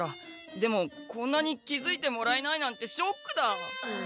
でもこんなに気づいてもらえないなんてショックだ！